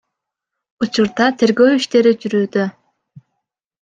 Учурда тергөө иштери жүрүүдө.